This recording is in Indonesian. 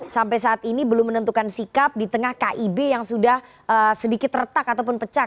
sampai saat ini belum menentukan sikap di tengah kib yang sudah sedikit retak ataupun pecah